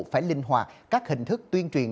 phải linh hoạt các hình thức tuyên truyền